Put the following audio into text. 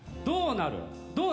どうなる？